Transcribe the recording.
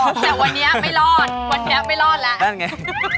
แต่วันนี้ไม่รอดวันนี้ไม่รอดแล้วไง